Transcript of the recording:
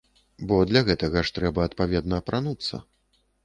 Бо для гэтага ж трэба адпаведна апрануцца.